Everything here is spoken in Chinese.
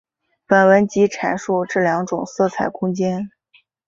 本文即阐述这两种色彩空间。